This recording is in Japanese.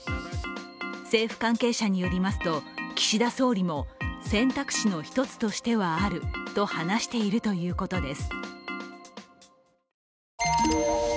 政府関係者によりますと岸田総理も選択肢の１つとしてはあると話しているということです。